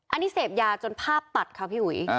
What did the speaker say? อันนี้เสพยาจนภาพตัดค่ะพี่อุ๋ย